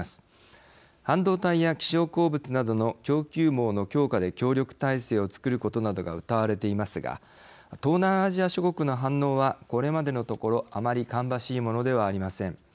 半導体や希少鉱物などの供給網の強化で協力体制をつくることなどがうたわれていますが東南アジア諸国の反応はこれまでのところあまり芳しいものではありません。